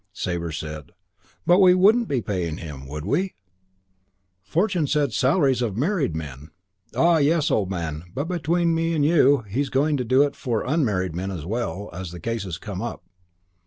Sabre said, "But we wouldn't be paying him, would we? Fortune said salaries of married men." "Ah, yes, old man, but between you and me he's going to do it for unmarried men as well, as the cases come up."